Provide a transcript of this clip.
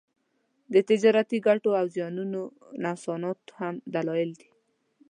د تجارتي ګټو او زیانونو نوسانات هم دلایل دي